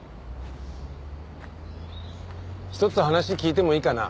一つ話聞いてもいいかな？